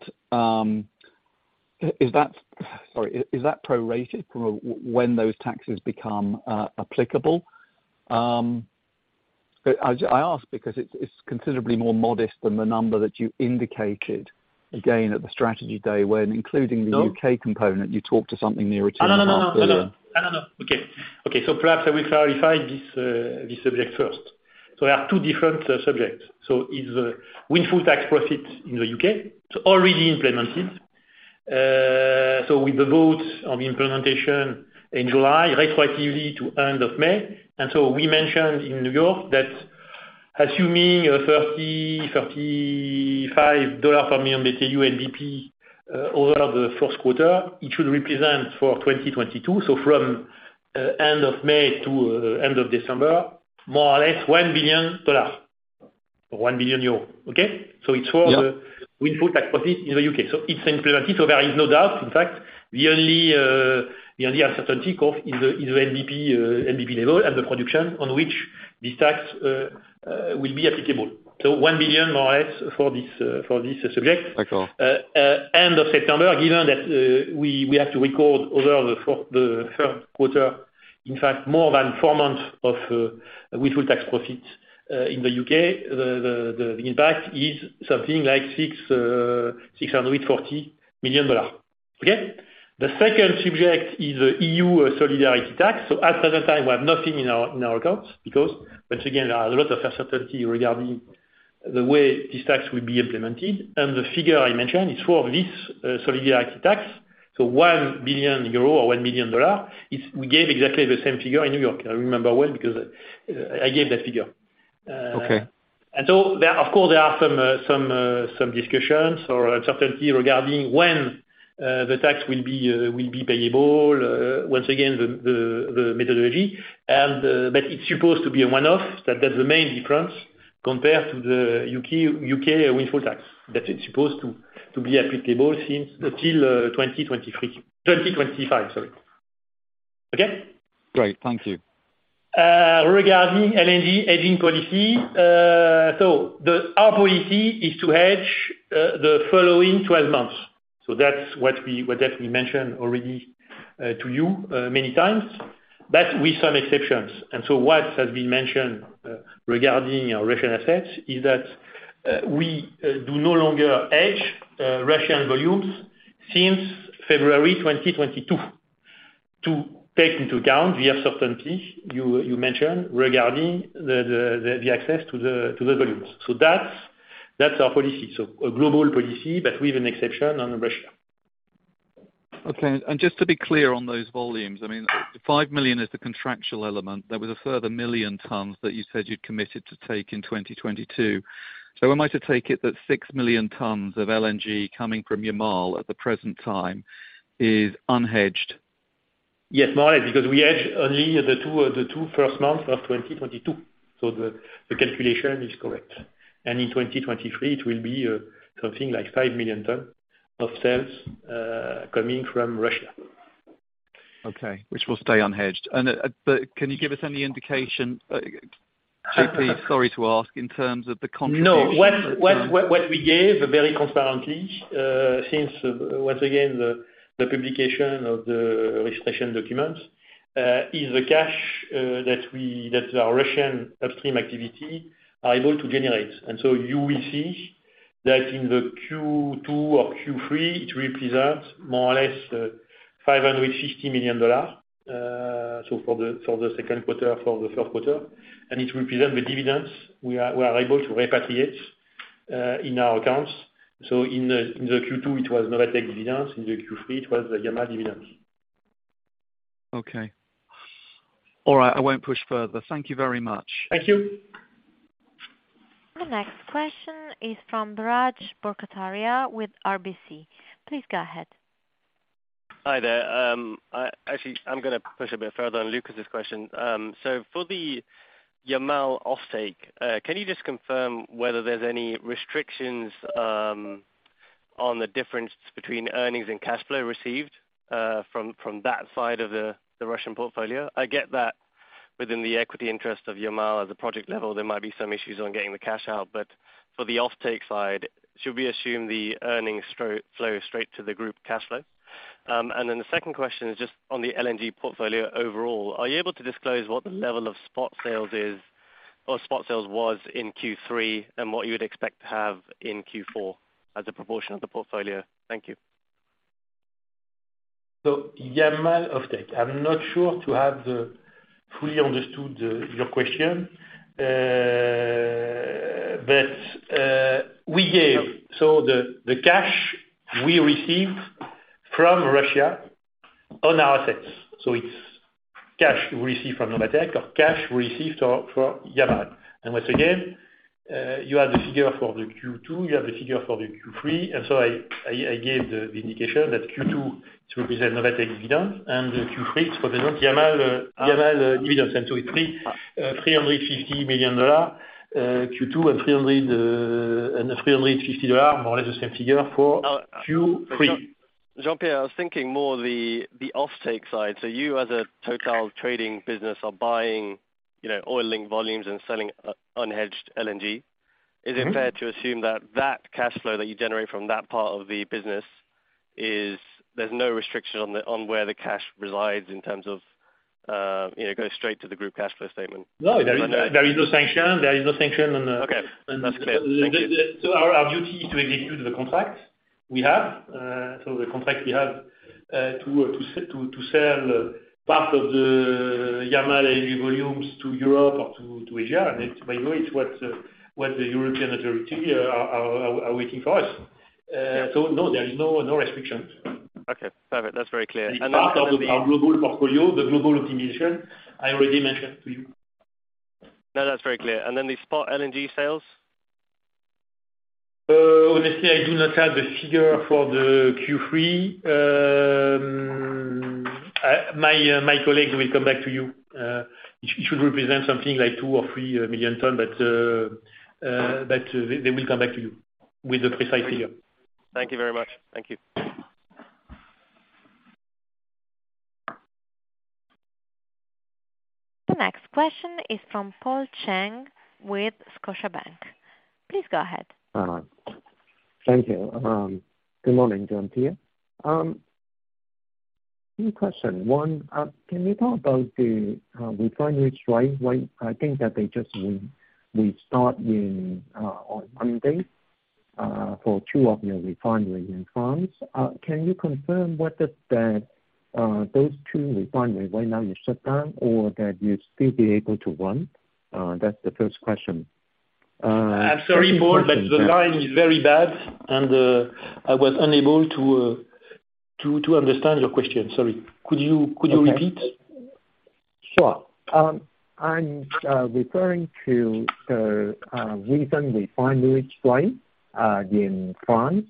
prorated from when those taxes become applicable? I ask because it's considerably more modest than the number that you indicated, again, at the strategy day when including the- No U.K. component, you talked to something near to 2.5 billion. No. Okay, perhaps I will clarify this subject first. We have two different subjects. It's windfall tax profits in the U.K. It's already implemented. With the vote on the implementation in July, retrospective to end of May, and we mentioned in New York that assuming a $30-$35 per million BTU NBP over the first quarter, it should represent for 2022, from end of May to end of December, more or less $1 billion or 1 billion euros. Okay? Yeah. It's for the windfall tax profit in the U.K. It's implemented, so there is no doubt. In fact, the only uncertainty is the NBP level and the production on which this tax will be applicable. 1 billion more or less for this subject. Excellent. End of September, given that we have to record over the third quarter, in fact more than four months of windfall tax profits in the U.K, the impact is something like $640 million. Okay? The second subject is EU solidarity tax. So at present time we have nothing in our accounts because once again, there are a lot of uncertainty regarding the way this tax will be implemented. The figure I mentioned is for this solidarity tax. So 1 billion euro or $1 billion, we gave exactly the same figure in New York. I remember well because I gave that figure. Okay. There, of course, there are some discussions or uncertainty regarding when the tax will be payable. Once again, the methodology, but it's supposed to be a one-off. That's the main difference compared to the U.K. windfall tax. That it's supposed to be applicable since until 2023. 2025, sorry. Okay? Great. Thank you. Regarding LNG hedging policy, our policy is to hedge the following 12 months. That's what we mentioned already to you many times. That, with some exceptions, what has been mentioned regarding our Russian assets is that we do no longer hedge Russian volumes since February 2022 to take into account the uncertainty you mentioned regarding the access to the volumes. That's our policy. A global policy, but with an exception on Russia. Okay. Just to be clear on those volumes, I mean, 5 million is the contractual element. There was a further 1 million tons that you said you'd committed to take in 2022. Am I to take it that 6 million tons of LNG coming from Yamal at the present time is unhedged? Yes. More or less, because we hedge only the two first months of 2022. The calculation is correct. In 2023 it will be something like 5 million tons of sales coming from Russia. Okay. Which will stay unhedged. Can you give us any indication, J.P., sorry to ask, in terms of the contribution- No. What we gave very transparently since once again the publication of the risk assessment documents is the cash that our Russian upstream activity are able to generate. You will see that in the Q2 or Q3, it represents more or less $550 million, so for the second quarter, for the third quarter. It represent the dividends we are able to repatriate in our accounts. In the Q2 it was Novatek dividends. In the Q3 it was Yamal dividends. Okay. All right. I won't push further. Thank you very much. Thank you. The next question is from Biraj Borkhataria with RBC. Please go ahead. Hi there. I actually, I'm gonna push a bit further on Lucas's question. For the Yamal offtake, can you just confirm whether there's any restrictions on the difference between earnings and cash flow received from that side of the Russian portfolio? I get that within the equity interest of Yamal at the project level, there might be some issues on getting the cash out, but for the offtake side, should we assume the earnings flow straight to the group cash flow? Then the second question is just on the LNG portfolio overall, are you able to disclose what the level of spot sales is or spot sales was in Q3, and what you would expect to have in Q4 as a proportion of the portfolio? Thank you. Yamal offtake. I'm not sure to have fully understood your question. That's what we gave. The cash we received from Russia on our assets, so it's cash received from Novatek or cash received for Yamal. Once again, you have the figure for the Q2, you have the figure for the Q3. I gave the indication that Q2 to represent Novatek dividend and Q3 to represent Yamal dividend. It's $350 million for Q2 and $350 million, more or less the same figure for Q3. Jean-Pierre Sbraire, I was thinking more the offtake side. You as a TotalEnergies trading business are buying, you know, oil-linked volumes and selling unhedged LNG. Mm-hmm. Is it fair to assume that cash flow that you generate from that part of the business is there's no restriction on where the cash resides in terms of, you know, goes straight to the group cash flow statement? No, there is no sanction. There is no sanction on the- Okay. That's clear. Thank you. Our duty is to execute the contracts we have. The contract we have to sell part of the Yamal LNG volumes to Europe or to Asia. It's, by the way, what the European authorities are waiting for us. No, there is no restrictions. Okay. Perfect. That's very clear. It's part of our global portfolio, the global optimization I already mentioned to you. No, that's very clear. The spot LNG sales? Honestly, I do not have the figure for the Q3. My colleague will come back to you. It should represent something like 2 million or 3 million tons. They will come back to you with the precise figure. Thank you very much. Thank you. The next question is from Paul Cheng with Scotiabank. Please go ahead. Thank you. Good morning, Jean-Pierre. Two questions. One, can you talk about the refinery strike? Like, I think that they just restarted on Monday for two of your refineries in France. Can you confirm whether those two refineries right now are shut down or that you still be able to run? That's the first question. I'm sorry, Paul, but the line is very bad, and I was unable to to understand your question. Sorry. Could you repeat? Sure. I'm referring to the recent refinery strike in France.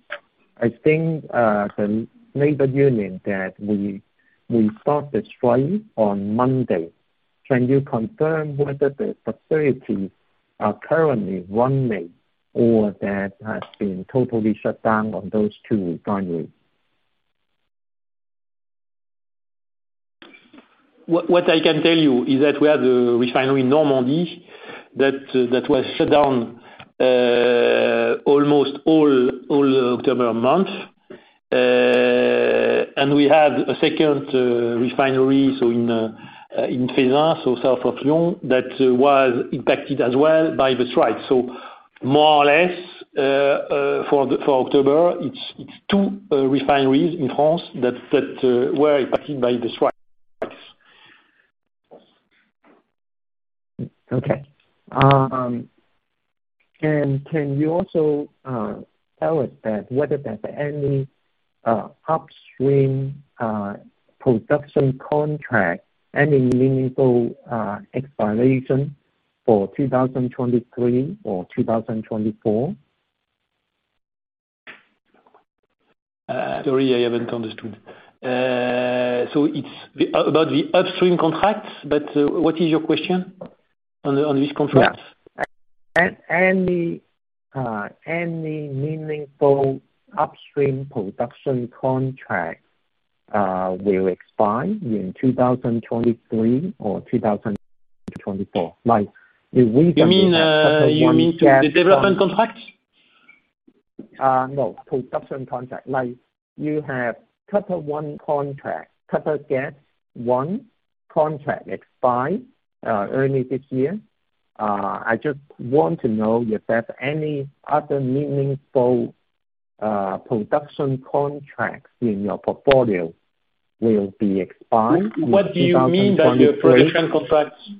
I think the labor union that will restart the strike on Monday. Can you confirm whether the facilities are currently running or that has been totally shut down on those two refineries? I can tell you that we have a refinery in Normandy that was shut down almost all October month. We have a second refinery in Feyzin, south of Lyon, that was impacted as well by the strike. More or less, for October, it's two refineries in France that were impacted by the strikes. Okay. Can you also tell us that whether there's any upstream production contract, any meaningful expiration for 2023 or 2024? Sorry, I haven't understood. It's about the upstream contracts, but what is your question on these contracts? Yeah. Any meaningful upstream production contract will expire in 2023 or 2024? Like if we can- You mean. in that type of one gap contract the development contracts? No. Production contract. Like you have Total one contract, Total gas, one contract expire early this year. I just want to know if there's any other meaningful production contracts in your portfolio will be expired- What do you mean by the production contracts?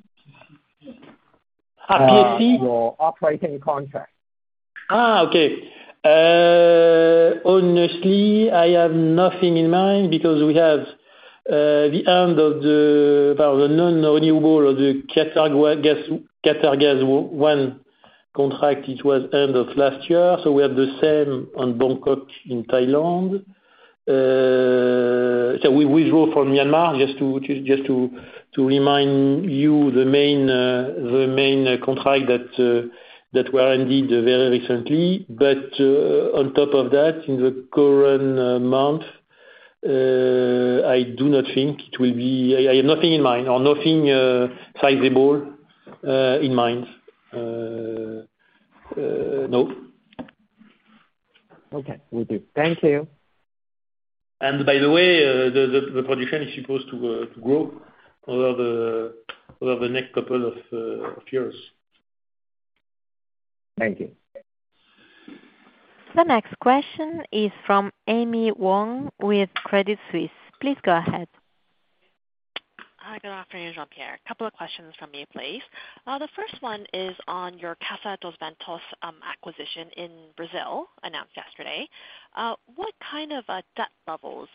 A PSC? Your operating contract. Honestly, I have nothing in mind because we have the end of the non-renewable or the Qatargas 1 contract. It was end of last year. We have the same on Bongkot in Thailand. We draw from Myanmar, just to remind you the main contract that were ended very recently. On top of that, in the current month, I do not think it will be. I have nothing in mind or nothing sizable in mind. No. Okay. Will do. Thank you. By the way, the production is supposed to grow over the next couple of years. Thank you. The next question is from Amy Wong with Credit Suisse. Please go ahead. Hi, good afternoon, Jean-Pierre. A couple of questions from me, please. The first one is on your Casa dos Ventos acquisition in Brazil, announced yesterday. What kind of debt levels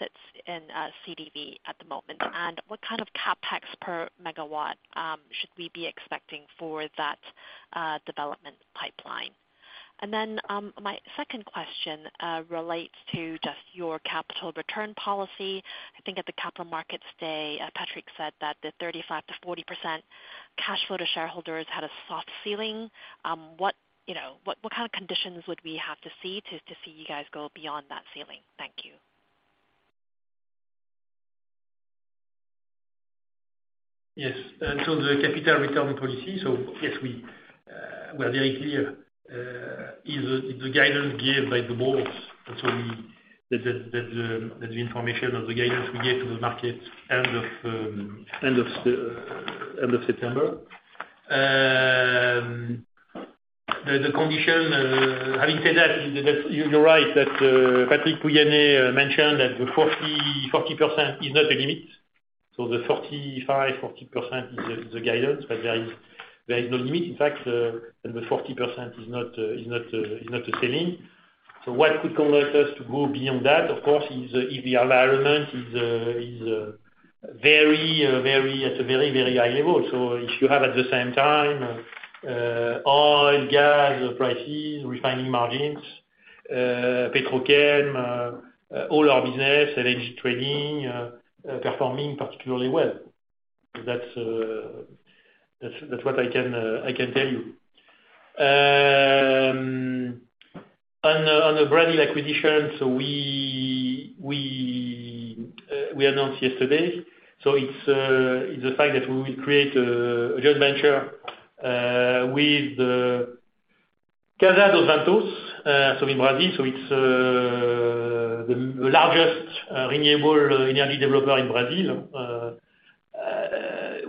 sits in CDV at the moment? And what kind of CapEx per megawatt should we be expecting for that development pipeline? And then, my second question relates to just your capital return policy. I think at the Capital Markets Day, Patrick said that the 35%-40% cash flow to shareholders had a soft ceiling. What, you know, what kind of conditions would we have to see to see you guys go beyond that ceiling? Thank you. Yes. The capital return policy, yes, we are very clear. It is the guidance given by the boards that the information or the guidance we gave to the market end of September. The condition, having said that, you're right that Patrick Pouyanné mentioned that the 40% is not a limit. The 35%-40% is the guidance, but there is no limit, in fact, and the 40% is not a ceiling. What could convince us to go beyond that, of course, is if the environment is very, very high level. If you have at the same time oil, gas prices, refining margins, petrochem, all our business, LNG trading performing particularly well. That's what I can tell you. On the Brazilian acquisition, we announced yesterday, so it's the fact that we will create a joint venture with Casa dos Ventos, so in Brazil, it's the largest renewable energy developer in Brazil.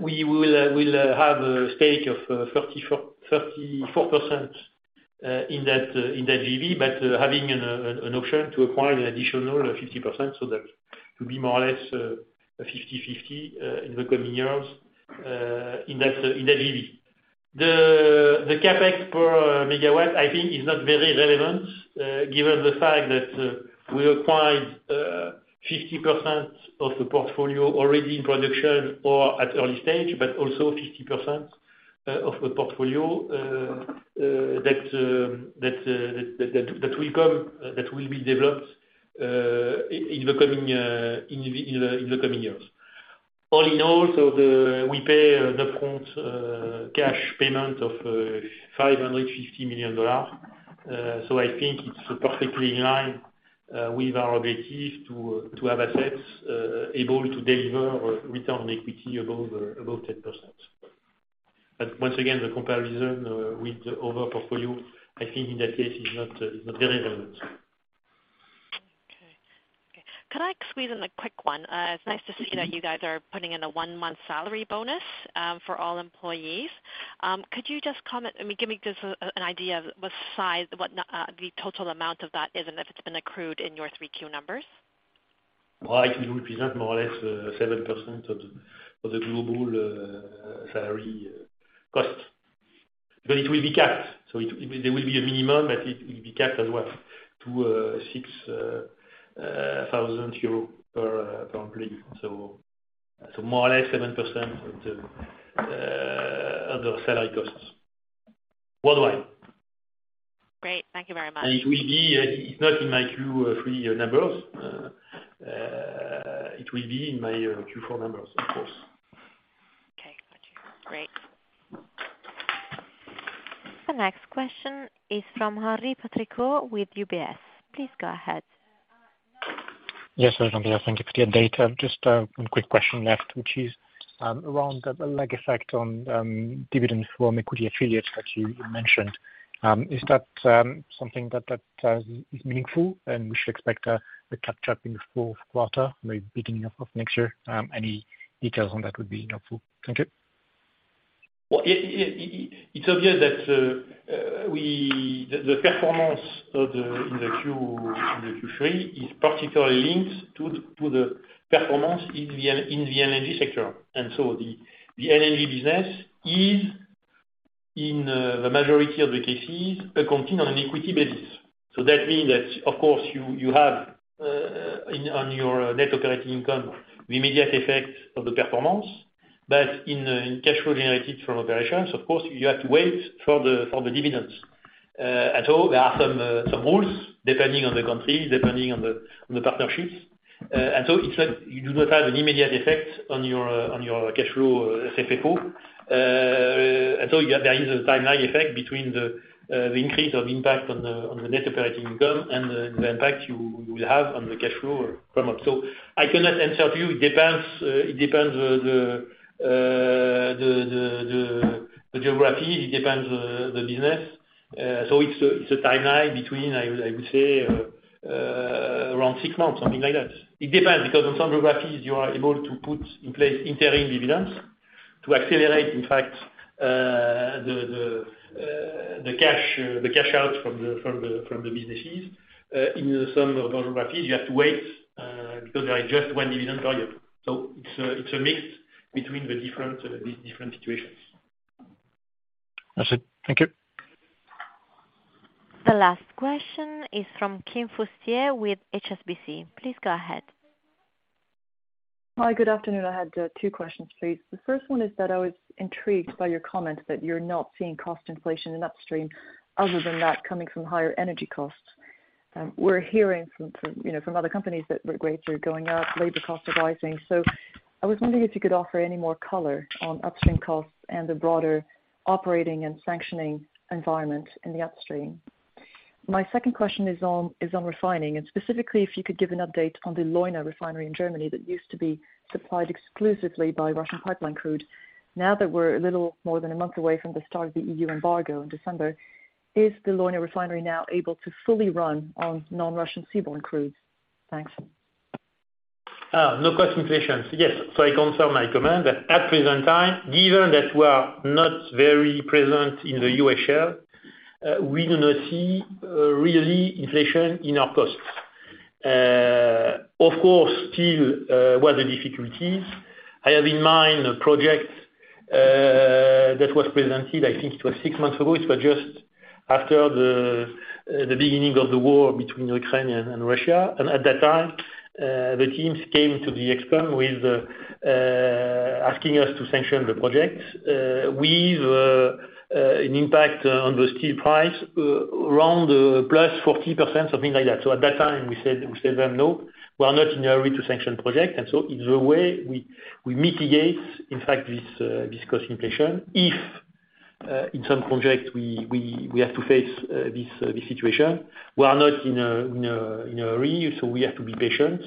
We will have a stake of 34% in that JV, but having an option to acquire an additional 50%. That to be more or less 50/50 in the coming years in that JV. The CapEx per megawatt, I think, is not very relevant, given the fact that we acquired 50% of the portfolio already in production or at early stage, but also 50% of the portfolio that will be developed in the coming years. All in all, we pay an upfront cash payment of $550 million. I think it's perfectly in line with our objective to have assets able to deliver return on equity above 10%. Once again, the comparison with the other portfolio, I think in that case is not very relevant. Okay. Could I squeeze in a quick one? It's nice to see that you guys are putting in a 1-month salary bonus for all employees. Could you just comment, I mean, give me just an idea of what size the total amount of that is and if it's been accrued in your 3Q numbers? Well, it will present more or less 7% of the global salary cost. But it will be capped. There will be a minimum, but it will be capped as well to 6,000 euro per employee. So more or less 7% of the salary costs worldwide. Great. Thank you very much. It will be. It's not in my Q3 numbers. It will be in my Q4 numbers, of course. Okay. Gotcha. Great. The next question is from Henri Patricot with UBS. Please go ahead. Yes, hello Jean-Pierre. Thank you for your data. Just one quick question left, which is around the lag effect on dividends from equity affiliates that you mentioned. Is that something that is meaningful, and we should expect a catch up in the fourth quarter, maybe beginning of next year? Any details on that would be helpful. Thank you. It's obvious that the performance in the Q3 is particularly linked to the performance in the LNG sector. The LNG business is in the majority of the cases accounted on an equity basis. That means that of course you have on your net operating income the immediate effect of the performance. In cash flow generated from operations, of course, you have to wait for the dividends. There are some rules depending on the country, depending on the partnerships. It's like you do not have an immediate effect on your cash flow FFO. There is a timeline effect between the increase of impact on the net operating income and the impact you will have on the cash flow from it. I cannot answer to you. It depends on the geography, it depends on the business. It's a timeline between, I would say, around six months, something like that. It depends, because on some geographies you are able to put in place interim dividends to accelerate, in fact, the cash out from the businesses. In some of our geographies, you have to wait, because there is just one dividend per year. It's a mix between the different situations. That's it. Thank you. The last question is from Kim Fustier with HSBC. Please go ahead. Hi, good afternoon. I had two questions, please. The first one is that I was intrigued by your comment that you're not seeing cost inflation in upstream other than that coming from higher energy costs. We're hearing from, you know, from other companies that rates are going up, labor costs are rising. I was wondering if you could offer any more color on upstream costs and the broader operating and sanctioning environment in the upstream. My second question is on refining, and specifically if you could give an update on the Leuna refinery in Germany that used to be supplied exclusively by Russian pipeline crude. Now that we're a little more than a month away from the start of the EU embargo in December, is the Leuna refinery now able to fully run on non-Russian seaborne crude? Thanks. No cost inflation. Yes. I confirm my comment that at present time, given that we are not very present in the U.S. shale, we do not see really inflation in our costs. Of course, still, there were difficulties. I have in mind a project that was presented, I think it was six months ago. It was just after the beginning of the war between Ukraine and Russia. At that time, the teams came to the ExCom asking us to sanction the project with an impact on the steel price around +40%, something like that. At that time we said then, "No, we are not in a hurry to sanction project." It's the way we mitigate in fact this cost inflation. If in some projects we have to face this situation, we are not in a hurry, so we have to be patient.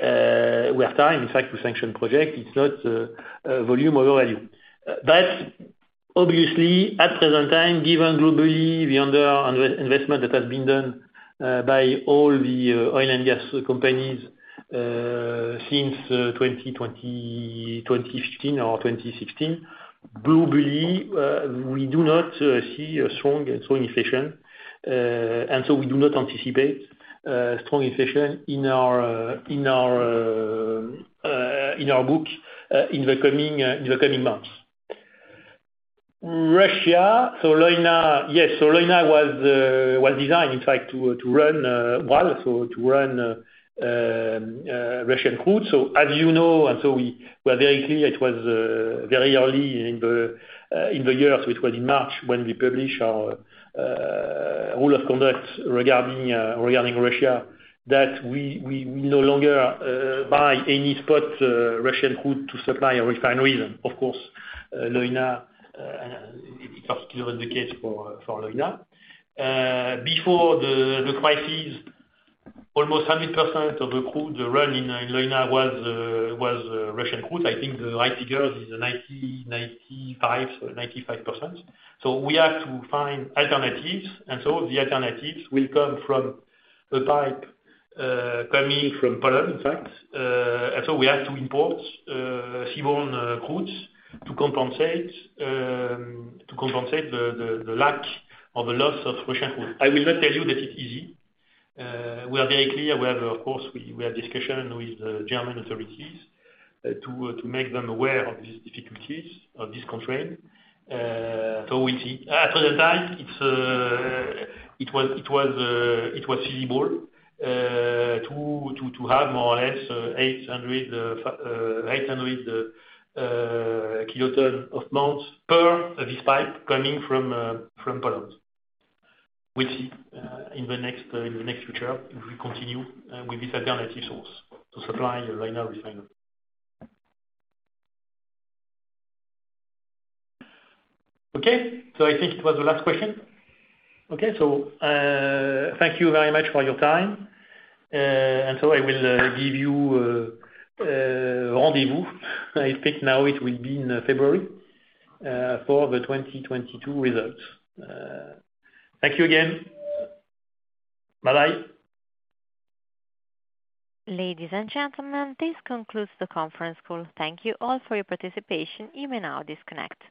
We have time in fact to sanction project. It's not volume over value. Obviously at present time, given globally the under investment that has been done by all the oil and gas companies since 2015 or 2016, globally, we do not see a strong inflation. We do not anticipate strong inflation in our books in the coming months. Russia, Leuna. Yes, Leuna was designed in fact to run Russian crude. As you know, we were very clear, it was very early in the year, it was in March when we published our rule of conduct regarding Russia, that we no longer buy any spot Russian crude to supply our refineries. Of course, Leuna, it was still the case for Leuna. Before the crisis, almost 100% of the crude run in Leuna was Russian crude. I think the right figure is 95%, so 95%. We have to find alternatives. The alternatives will come from a pipe coming from Poland, in fact. We have to import seaborne crudes to compensate the lack or the loss of Russian crude. I will not tell you that it's easy. We are very clear. We have of course discussions with the German authorities to make them aware of these difficulties of this country. We see. At the time, it was feasible to have more or less 800 kilotons of oil per this pipe coming from Poland. We'll see in the near future if we continue with this alternative source to supply Leuna refinery. Okay. I think it was the last question. Okay. Thank you very much for your time. I will give you a rendezvous I think now it will be in February for the 2022 results. Thank you again. Bye-bye. Ladies and gentlemen, this concludes the conference call. Thank you all for your participation. You may now disconnect.